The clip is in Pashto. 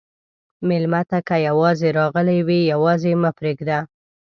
مېلمه ته که یواځې راغلی وي، یواځې مه پرېږده.